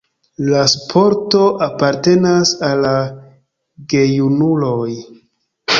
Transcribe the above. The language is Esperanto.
La sporto apartenas al gejunuloj.